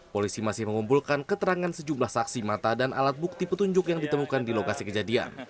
polisi masih mengumpulkan keterangan sejumlah saksi mata dan alat bukti petunjuk yang ditemukan di lokasi kejadian